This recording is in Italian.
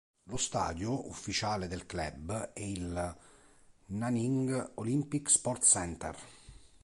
Lo stadio ufficiale del club è il Nanjing Olympic Sports Centre.